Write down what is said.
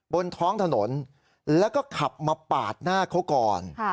บนท้องถนนแล้วก็ขับมาปาดหน้าเขาก่อน